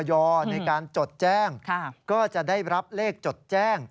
ยอมรับว่าการตรวจสอบเพียงเลขอยไม่สามารถทราบได้ว่าเป็นผลิตภัณฑ์ปลอม